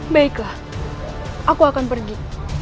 baiklah aku akan pergi